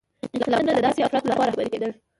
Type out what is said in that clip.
انقلابونه د داسې افرادو لخوا رهبري کېدل.